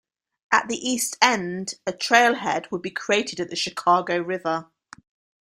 At the east end, a trailhead would be created at the Chicago River.